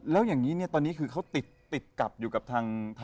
แล้วอย่างนี้เนี่ยตอนนี้คือเขาติดกับอยู่กับทาง